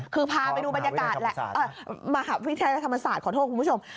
คือพาไปดูบรรยากาศแหละมหาวิทยาลัยธรรมศาสตร์ขอโทษคุณผู้ชม